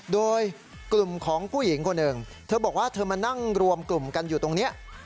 โดยกลุ่มของผู้หญิงคนหนึ่งเธอบอกว่าเธอมานั่งรวมกลุ่มกันอยู่ตรงนี้